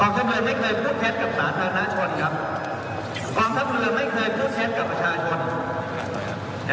ทำไมไม่เคยพูดเท็จกับสาธารณชนครับกองทัพเรือไม่เคยพูดเท็จกับประชาชน